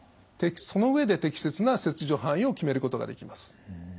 その上で適切な切除範囲を決めることができます。